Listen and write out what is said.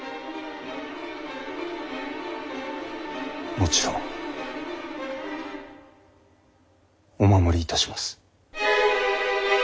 もちろんお守りいたします。